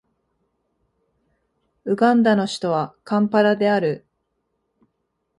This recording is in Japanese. ウガンダの首都はカンパラである